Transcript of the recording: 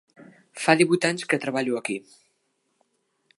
Fa divuit anys que treballo aquí.